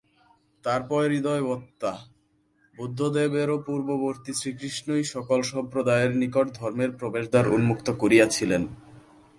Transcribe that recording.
তারপর হৃদয়বত্তা! বুদ্ধদেবেরও পূর্ববর্তী শ্রীকৃষ্ণই সকল সম্প্রদায়ের নিকট ধর্মের প্রবেশদ্বার উন্মুক্ত করিয়াছিলেন।